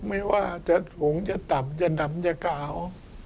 ไม่ว่าจะถุงจะต่ำจะดำจะกาว